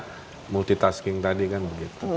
karena multitasking tadi kan begitu